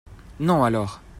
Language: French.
non alors !